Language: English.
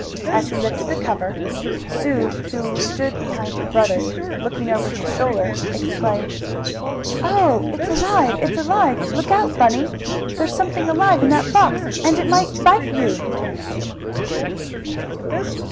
As he lifted the cover, Sue, who stood behind her brother, looking over his shoulder, exclaimed: "Oh, it's alive! It's alive! Look out, Bunny! There's something alive in that box, and it might bite you!"